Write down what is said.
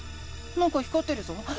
なんか光ってるぞ。